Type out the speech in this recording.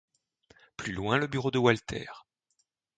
Plus loin le bureau de Walter.